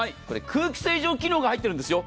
空気清浄機能が入ってるんです。